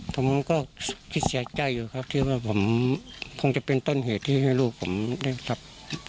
ผมก็คิดเสียใจอยู่ครับที่ว่าผมคงจะเป็นต้นเหตุที่ให้ลูกผมได้รับ